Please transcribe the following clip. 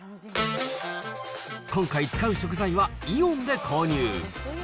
今回使う食材は、イオンで購入。